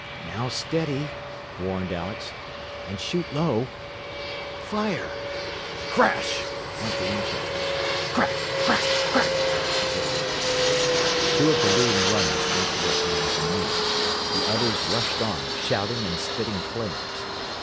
"Now, steady!" warned Alex. "And shoot low! "Fire!" "Crash!" went the Winchesters, "Crack, crack, crack!" the pistols. Two of the leading runners went to their hands and knees. The others rushed on, shouting and spitting flames.